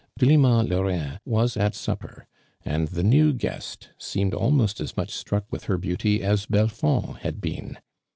Delima Ijaurin was at supper, an<l the new guest seemed almost as much struck with her beauty as Belfcmd had been.